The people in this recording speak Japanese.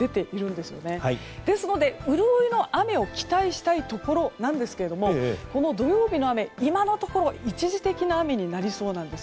ですので、潤いの雨を期待したいところなんですけど土曜日の雨、今のところ一時的な雨になりそうです。